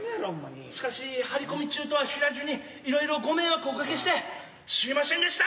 しかし張り込み中とは知らじゅにいろいろご迷惑をおかけしてしゅみましぇんでした！